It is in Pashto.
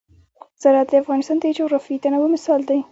زراعت د افغانستان د جغرافیوي تنوع مثال دی.